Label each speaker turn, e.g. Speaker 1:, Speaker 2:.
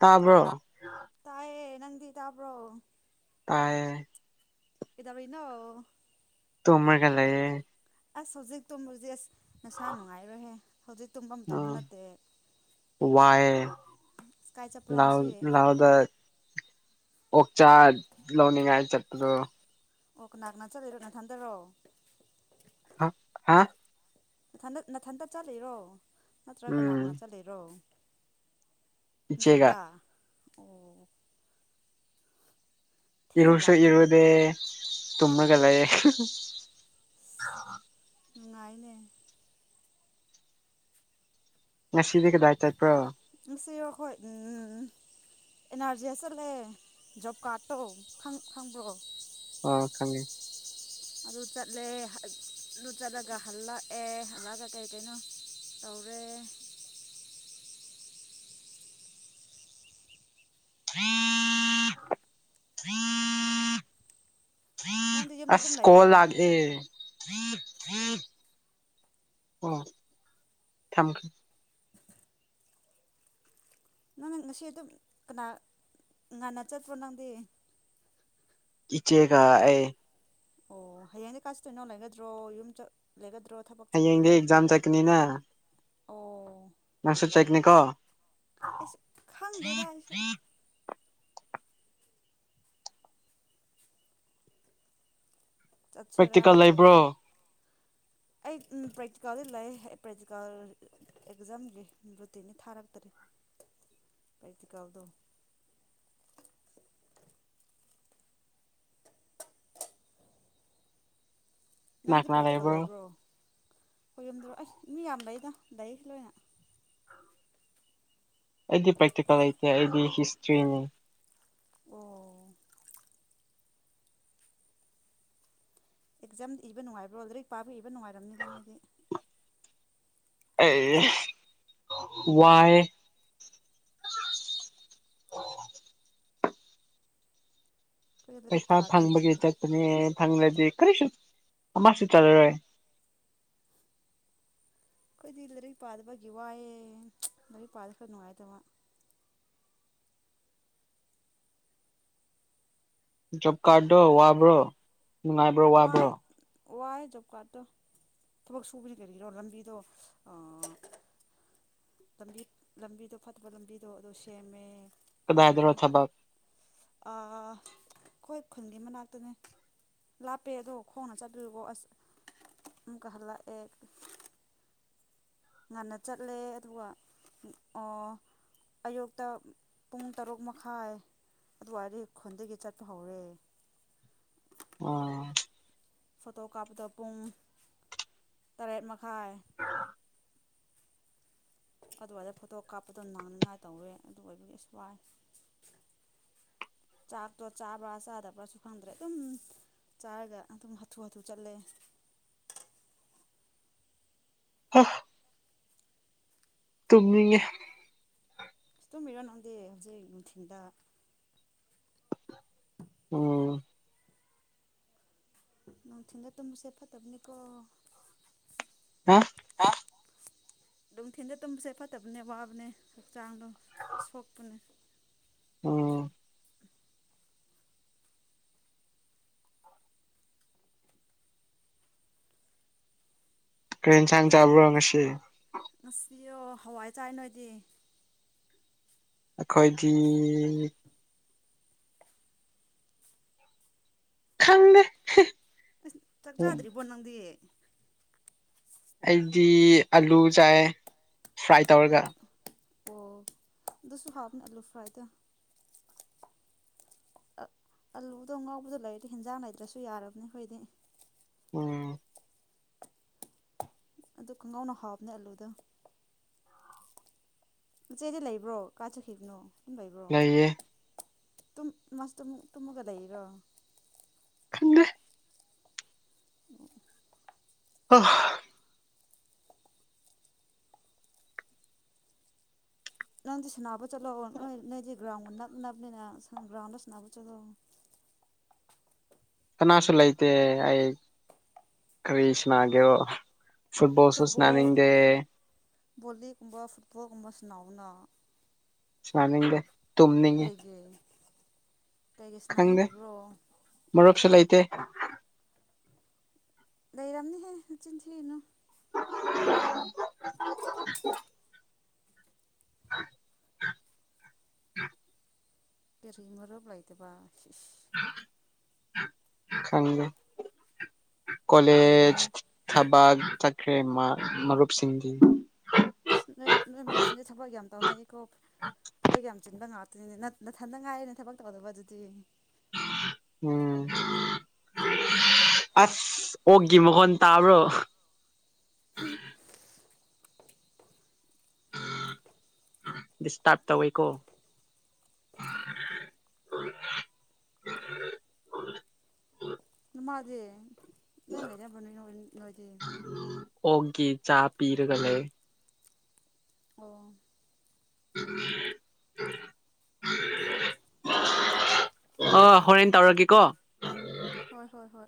Speaker 1: ꯇꯥꯕ꯭ꯔꯣ꯫
Speaker 2: ꯇꯥꯏꯌꯦ ꯅꯪꯗꯤ ꯇꯥꯕ꯭ꯔꯣ꯫
Speaker 1: ꯇꯥꯌꯦ꯫
Speaker 2: ꯀꯩꯗꯧꯔꯤꯅꯣ ꯫
Speaker 1: ꯇꯨꯝꯃꯒ ꯂꯩꯑꯌꯦ꯫
Speaker 2: ꯑꯁ ꯍꯧꯖꯤꯛꯇꯣꯕꯨꯖꯤꯛ ꯑꯁ ꯅꯁꯥ ꯅꯨꯡꯉꯥꯏꯔꯣꯏꯍꯦ꯫ ꯍꯧꯖꯤꯛ ꯇꯨꯝꯕ ꯃꯇꯝꯁꯨ
Speaker 1: ꯑꯝ
Speaker 2: ꯅꯠꯇꯦ
Speaker 1: ꯋꯥꯏ
Speaker 2: ꯑꯁ ꯀꯥꯏ ꯆꯠꯄ꯭ꯔꯣ
Speaker 1: ꯂ
Speaker 2: ꯉꯁꯤ
Speaker 1: ꯂꯥꯎꯗ꯫ ꯑꯣꯛꯆꯥꯥ ꯂꯧꯅꯤꯡꯉꯥꯏ ꯆꯠꯄꯗꯨ꯫
Speaker 2: ꯑꯣ ꯀꯅꯥ ꯀꯅꯥ ꯆꯠꯂꯤꯅꯣ ꯅꯊꯟꯗꯔꯣ
Speaker 1: ꯑ ꯑꯥ
Speaker 2: ꯅꯊꯟꯇ ꯅꯊꯟꯇ ꯆꯠꯂꯤꯔꯣ ꯅꯠꯇ꯭ꯔ ꯀꯅꯥ
Speaker 1: ꯎꯝ
Speaker 2: ꯀꯅꯥ ꯆꯠꯂꯤꯔꯣ
Speaker 1: ꯏꯆꯦꯒ
Speaker 2: ꯅꯊꯟꯗ ꯑꯣ ꯊꯦꯡ
Speaker 1: ꯏꯔꯨꯁꯨ
Speaker 2: ꯂꯥꯛꯄꯒꯤ
Speaker 1: ꯏꯔꯨꯗꯦ ꯇꯨꯃꯒ ꯂꯩꯌꯦ
Speaker 2: ꯅꯨꯡꯉꯥꯏꯅꯦ
Speaker 1: ꯉꯁꯤꯗꯤ ꯀꯗꯥꯏ ꯆꯠꯄ꯭ꯔꯣ
Speaker 2: ꯑꯁꯤꯔꯣ ꯑꯈꯣꯏ ꯑꯦꯟ ꯑꯥꯔ ꯖꯤ ꯑꯦꯁ ꯆꯠꯂꯦ ꯖꯣꯕ ꯀꯥꯔꯠꯇꯣ ꯈꯪꯕ꯭ꯔꯣ
Speaker 1: ꯑ ꯈꯪꯉꯦ
Speaker 2: ꯑꯗꯨ ꯆꯠꯂꯦ ꯑꯗꯨ ꯆꯠꯂꯒ ꯍꯜꯂꯛꯑꯦ ꯍꯜꯂꯛꯑꯒ ꯀꯩ ꯀꯩꯅꯣ ꯇꯧꯔꯦ ꯅꯪꯗꯤ
Speaker 1: [unintelligible]
Speaker 2: ꯌꯨꯝꯗ
Speaker 1: ꯑꯁ
Speaker 2: ꯑꯗꯨꯝ
Speaker 1: ꯀꯣꯜ
Speaker 2: ꯂꯩꯕ꯭ꯔꯣ
Speaker 1: ꯂꯥꯛꯑꯦ ꯑꯣ ꯊꯝ
Speaker 2: ꯅꯪ ꯉꯁꯤ ꯑꯗꯨꯝ ꯀꯅꯥ ꯉꯟꯅ ꯆꯠꯄ꯭ꯔꯣ ꯅꯪꯗꯤ
Speaker 1: ꯏꯆꯦꯒ ꯑꯩ
Speaker 2: ꯑꯣ ꯍꯌꯦꯡꯗꯤ ꯀꯥꯏ ꯆꯠꯇꯣꯏꯅꯣ ꯂꯩꯒꯗ꯭ꯔꯣ ꯌꯨꯝ ꯆꯠ ꯂꯩꯒꯗ꯭ꯔ
Speaker 1: ꯍꯌꯦꯡꯗꯤ ꯑꯦꯛꯖꯥꯝ ꯆꯠꯀꯅꯤꯅ
Speaker 2: ꯑꯣ
Speaker 1: ꯅꯪꯁꯨ ꯆꯠꯀꯅꯤꯀꯣ
Speaker 2: ꯑꯩꯁꯨ ꯈꯪꯗꯦꯗ ꯑꯩꯁꯨ ꯆꯠꯁꯤꯔꯥ
Speaker 1: ꯄ꯭ꯔꯦꯛꯇꯤꯀꯜ ꯂꯩꯕ꯭ꯔꯣ
Speaker 2: ꯆꯠꯂꯣꯏꯁꯤꯔꯥ ꯑꯩ ꯄ꯭ꯔꯦꯛꯇꯤꯀꯜꯗꯤ ꯂꯩ ꯄ꯭ꯔꯦꯛꯇꯤꯀꯜ ꯑꯦꯛꯖꯥꯝꯒꯤ ꯔꯨꯇꯤꯅꯤ ꯊꯥꯔꯛꯇꯥꯔꯤ ꯄ꯭ꯔꯦꯛꯇꯤꯀꯦꯜꯗꯣ
Speaker 1: ꯀꯅꯥ
Speaker 2: ꯅꯪꯗꯤ
Speaker 1: ꯀꯅꯥ
Speaker 2: ꯄ꯭ꯔꯦꯛꯇꯤꯀꯜ ꯂꯩꯕ꯭ꯔꯣ ꯍꯣꯏ ꯌꯨꯝꯗꯥ ꯔꯣ ꯑꯩꯁ ꯃꯤ ꯌꯥꯝ ꯂꯩꯩꯗ ꯂꯩ ꯂꯣꯏꯅ
Speaker 1: ꯑꯩꯗꯤ ꯄ꯭ꯔꯦꯛꯇꯤꯀꯦꯜ ꯂꯩꯇꯦ ꯑꯩꯗꯤ ꯍꯤꯁꯇ꯭ꯔꯤꯅꯤ
Speaker 2: ꯑꯣ ꯑꯦꯛꯖꯥꯝ ꯏꯕ ꯅꯨꯡꯉꯥꯏꯕ꯭ꯔꯣ ꯂꯩꯔꯤꯛ ꯄꯥꯕ ꯏꯕ ꯅꯨꯡꯉꯥꯏꯔꯝꯅꯤꯗ ꯅꯣꯏꯗꯤ
Speaker 1: ꯑꯦ ꯋꯥꯌꯦ
Speaker 2: ꯑꯩꯈꯣꯏꯗꯤ ꯂꯥꯏꯔꯤꯛ
Speaker 1: ꯄꯩꯁꯥ
Speaker 2: ꯄꯥꯗꯤ
Speaker 1: ꯐꯪꯕꯒꯤ ꯆꯠꯄꯅꯦ ꯐꯪꯂꯗꯤ ꯀꯔꯤꯁꯨ ꯑꯃꯁꯨ ꯆꯥꯔꯔꯣꯏ
Speaker 2: ꯑꯩꯈꯣꯏꯗꯤ ꯂꯥꯏꯔꯤꯛ ꯄꯥꯗꯕꯒꯤ ꯋꯥꯏꯑꯦ ꯂꯥꯏꯔꯤꯛ ꯄꯥ ꯈꯔ ꯅꯨꯡꯉꯥꯏꯗꯧꯕ
Speaker 1: ꯖꯣꯕ ꯀꯥ ꯗꯣ ꯋꯥꯕ꯭ꯔꯣ ꯅꯨꯡꯉꯥꯏꯕ꯭ꯔꯣ ꯋꯥꯕ꯭ꯔꯣ
Speaker 2: ꯋꯥꯏ ꯋꯥꯏ ꯖꯣꯕ ꯀꯥꯔꯠꯇꯣ ꯊꯕꯛ ꯁꯨꯕꯅꯤ ꯀꯔꯤꯔꯣ ꯂꯝꯕꯤꯗꯣ ꯑ ꯂꯝꯕꯤ ꯂꯝꯕꯤꯗꯣ ꯐꯠꯇꯕ ꯂꯝꯕꯤꯗꯣ ꯑꯗꯣ ꯁꯦꯝꯃꯦ
Speaker 1: ꯀꯗꯥꯏꯗꯔꯣ ꯊꯕꯛ
Speaker 2: ꯑ ꯑꯈꯣꯏ ꯈꯨꯜꯒꯤ ꯃꯅꯥꯛꯇꯅꯦ ꯂꯥꯞꯄꯦ ꯑꯗꯣ ꯈꯣꯡꯅ ꯆꯠꯂꯑꯦꯀꯣ ꯑꯁ ꯑꯃꯨꯛꯀ ꯍꯜꯂꯛꯑꯦ ꯉꯟꯅ ꯆꯠꯂꯦ ꯑꯗꯨꯒ ꯑꯣ ꯑꯌꯨꯛꯇ ꯄꯨꯡ ꯇꯔꯨꯛ ꯃꯈꯥꯏ ꯑꯗꯨꯋꯥꯏꯗ ꯈꯨꯟꯗꯒꯤ ꯆꯠꯄ ꯍꯧꯔꯦ
Speaker 1: ꯑꯣ
Speaker 2: ꯐꯣꯇꯣ ꯀꯥꯞꯄꯗ ꯄꯨꯡ ꯇꯔꯦꯠ ꯃꯈꯥꯏ ꯑꯗꯨꯋꯥꯏꯗ ꯐꯣꯇꯣ ꯀꯥꯞꯄꯗꯣ ꯅꯪꯅꯤꯡꯉꯥꯏ ꯇꯧꯋꯦ ꯑꯗꯨ ꯑꯣꯏꯕꯒꯤ ꯏꯁ ꯋꯥꯏ ꯆꯥꯛꯇꯣ ꯆꯥꯕ꯭ꯔꯥ ꯆꯥꯗꯕ꯭ꯔꯥꯁꯨ ꯈꯪꯗ꯭ꯔꯦ ꯑꯗꯨꯝ ꯆꯥꯔꯒ ꯑꯗꯨꯝ ꯍꯥꯊꯨ ꯍꯥꯊꯨ ꯆꯠꯂꯦ
Speaker 1: ꯍꯥ ꯇꯨꯝꯅꯤꯡꯉꯦ
Speaker 2: ꯇꯨꯃꯤꯔ ꯅꯪꯗꯤ ꯍꯧꯖꯤꯛ ꯅꯨꯡꯊꯤꯟꯗ
Speaker 1: ꯎꯝ
Speaker 2: ꯅꯨꯡꯊꯤꯜꯗ ꯇꯨꯝꯕꯁꯦ ꯐꯠꯇꯕꯅꯤꯀꯣ
Speaker 1: ꯍꯥ
Speaker 2: ꯍꯥ ꯅꯨꯡꯊꯤꯜꯗ ꯇꯨꯝꯕꯁꯦ ꯐꯠꯇꯕꯅꯦ ꯋꯥꯕꯅꯦ ꯍꯛꯆꯥꯡꯗꯣ ꯁꯣꯛꯄꯅꯦ
Speaker 1: ꯑꯣ ꯀꯔꯤ ꯏꯟꯁꯥꯡ ꯆꯥꯕꯔꯣ ꯉꯁꯤ
Speaker 2: ꯑꯩꯌꯣ ꯍꯋꯥꯏ ꯆꯥꯏ ꯅꯣꯏꯗꯤ
Speaker 1: ꯑꯩꯈꯣꯏꯗꯤ ꯈꯪꯉꯦ
Speaker 2: ꯑꯁ ꯆꯥꯛ ꯆꯥꯗ꯭ꯔꯤꯕꯣ ꯅꯪꯗꯤ
Speaker 1: ꯑꯩꯗꯤ ꯑꯂꯨ ꯆꯥꯏ ꯐ꯭ꯔꯥꯏ ꯇꯧꯔꯒ
Speaker 2: ꯑꯣ ꯑꯗꯨꯁꯨ ꯍꯥꯎꯅꯦ ꯑꯂꯨ ꯐ꯭ꯔꯥꯏꯗ ꯑꯂꯨꯗꯣ ꯉꯥꯎꯕꯗ ꯂꯩꯔꯗꯤ ꯍꯦꯟꯖꯥꯡ ꯂꯩꯇ꯭ꯔꯁꯨ ꯌꯥꯔꯕꯅꯤ ꯑꯩꯈꯣꯏꯗꯤ
Speaker 1: ꯎꯝ
Speaker 2: ꯑꯗꯨ ꯈꯣꯡꯒ꯭ꯔꯥꯎꯅ ꯍꯥꯕꯅꯦ ꯑꯂꯨꯗ ꯃꯆꯦꯗꯤ ꯂꯩꯕ꯭ꯔꯣ ꯀꯥꯏꯆꯠꯈꯤꯕꯅꯣ ꯂꯩꯕ꯭ꯔꯣ
Speaker 1: ꯂꯩꯌꯦ
Speaker 2: ꯇꯨꯡ ꯃꯥꯁꯨ ꯇꯨꯝꯃꯒ ꯂꯩꯔꯤꯔꯣ
Speaker 1: ꯈꯪꯗꯦ
Speaker 2: [unintelligible]
Speaker 1: [unintelligible]
Speaker 2: ꯅꯪꯗꯤ ꯁꯥꯟꯅꯕ ꯆꯠꯂꯣꯑꯣ ꯅꯣꯏ ꯅꯣꯏꯗꯤ ꯒ꯭ꯔꯥꯎꯟ ꯅꯛꯅꯕꯅꯤꯅ ꯒ꯭ꯔꯥꯎꯟꯗ ꯁꯥꯟꯅꯕ ꯆꯠꯂꯛꯑꯣ
Speaker 1: ꯀꯅꯥꯁꯨ ꯂꯩꯇ ꯑꯩ ꯀꯔꯤꯁꯅꯥ ꯒꯦꯔꯣ꯫ ꯐꯨꯠꯕꯣꯜꯁꯨ
Speaker 2: ꯐꯨꯠꯕꯣꯜ
Speaker 1: ꯁꯥꯅꯅꯤꯡꯗꯦ
Speaker 2: ꯕꯣꯂꯤꯒꯨꯝꯕ ꯐꯨꯠꯕꯣꯜꯒꯨꯝꯕ ꯁꯅꯥꯎꯅ
Speaker 1: ꯁꯅꯤꯡꯗꯦ
Speaker 2: ꯀꯩꯒꯤ ꯀꯩꯒꯤ
Speaker 1: ꯈꯪꯗꯦ
Speaker 2: ꯁꯥꯟꯅꯅꯤꯡꯗꯕ꯭ꯔꯣ
Speaker 1: ꯃꯔꯨꯞꯁꯨ ꯂꯩꯇꯦ
Speaker 2: ꯂꯩꯔꯝꯅꯤ ꯍꯦ ꯅꯆꯤꯟꯊꯤꯅꯨ
Speaker 1: [unintelligible]
Speaker 2: ꯀꯔꯤ ꯃꯔꯨꯞ ꯂꯩꯥꯗꯕ ꯁꯤ ꯁꯤ
Speaker 1: ꯈꯪꯗꯦ ꯀꯂꯦꯖ
Speaker 2: ꯂꯩꯔꯝꯅꯤ
Speaker 1: ꯊꯕꯛ ꯆꯠꯈ꯭ꯔꯦ ꯃꯔꯨꯞꯁꯤꯡꯗꯤ꯫
Speaker 2: ꯅꯣꯏ ꯅꯣꯏ ꯃꯔꯨꯞꯁꯤꯡꯗꯤ ꯊꯕꯛ ꯌꯥꯝ ꯇꯧꯅꯩ꯫ ꯀꯣ ꯊꯧꯕꯒꯤ꯫ ꯆꯤꯟꯕ ꯉꯥꯛꯇꯅꯤꯅꯦ ꯅꯊꯟꯗ ꯉꯥꯏꯔꯦꯅꯦ ꯊꯕꯛ ꯇꯧꯗꯕ ꯑꯗꯨꯗꯤ꯫
Speaker 1: ꯎꯝ ꯑꯁ ꯑꯣꯛꯀꯤ ꯃꯈꯣꯟ ꯇꯥꯕ꯭ꯔꯣ꯫ ꯗꯤꯁꯇꯥꯔꯕ ꯇꯧꯋꯦꯀꯣ꯫
Speaker 2: ꯇꯥꯗꯦ꯫ ꯂꯩꯔ ꯅꯨ ꯅꯣꯏꯗꯤ꯫
Speaker 1: ꯑꯣꯛꯀꯤ ꯆꯥꯛ ꯄꯤꯔꯒ ꯂꯩ꯫
Speaker 2: ꯑꯣ꯫
Speaker 1: ꯑꯣ ꯍꯣꯔꯦꯟ ꯇꯧꯔꯒꯦꯀꯣ꯫
Speaker 2: ꯍꯣꯏ ꯍꯣꯏ ꯍꯣꯏ꯫